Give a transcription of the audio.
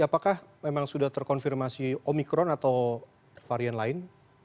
apakah memang sudah terkonfirmasi omikron atau varian lain